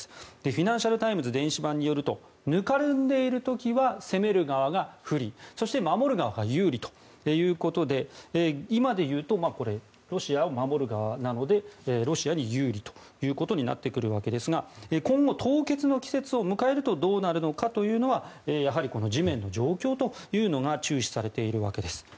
フィナンシャル・タイムズ電子版によるとぬかるんでいる時は攻める側が不利そして守る側が有利ということで今でいうとロシアは守る側なのでロシアに有利ということになってくるわけですが今後、凍結の季節を迎えるとどうなるかというのはやはり地面の状況というのが注視されているわけです。